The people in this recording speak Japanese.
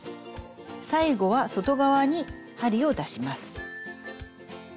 最後は外側に針を出します。